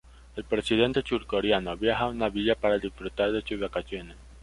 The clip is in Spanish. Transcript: El presidente surcoreano viaja a una villa para disfrutar de sus vacaciones.